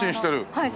はい。